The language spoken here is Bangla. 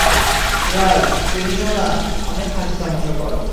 রাজ, তুমিও না, অনেক হাসি তামাশা করো।